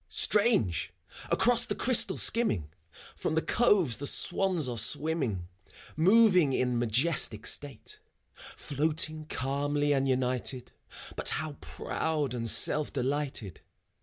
Strange! across the crystal skimming, From the coves the swans are swimming, Moving in majestic state: Floating calmly and united, But how proud and self delighted.